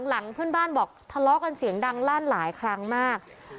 หลังเพื่อนบ้านบอกทะเลาะกันเสียงดังลั่นหลายครั้งมาก